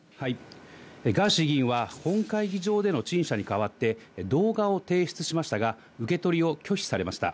ガーシー議員は本会議場での陳謝に代わって、動画を提出しましたが、受け取りを拒否されました。